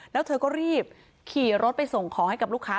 แล้วเธอก็รีบขี่รถไปส่งของให้กับลูกค้า